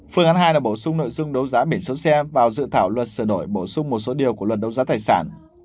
phương án hai là bổ sung nội dung đấu giá biển số xe vào dự thảo luật sửa đổi bổ sung một số điều của luật đấu giá tài sản